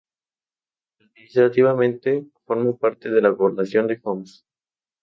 Administrativamente, forma parte de la Gobernación de Homs.